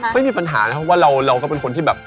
ไม่มีเธอไม่มีเธอ